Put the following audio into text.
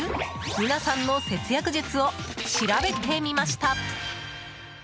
皆さんの節約術を調べてみました。